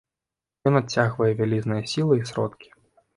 Ён адцягвае вялізныя сілы і сродкі.